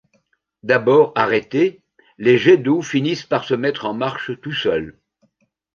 D'abord arrêtés, les jets d'eau finissent par se mettre en marche tout seuls.